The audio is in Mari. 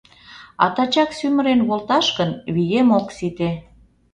А тачак сӱмырен волташ гын, вием ок сите.